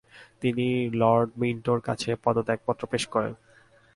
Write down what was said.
তিনি লর্ড মিন্টোর কাছে পদত্যাগপত্র পেশ করেন।